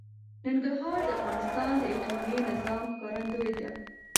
ننګرهار د افغانستان د اقلیمي نظام ښکارندوی ده.